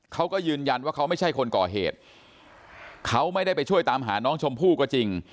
เขาก็ยืนยันว่าเขาไม่ใช่คนก่อเหตุเขาไม่ได้ไปช่วยตามหาน้องชมพู่ก็จริง